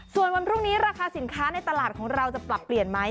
ส่วนวันพรุ่งนี้ราคาสินค้าในตลาดของเราจะปรับเปลี่ยนไหม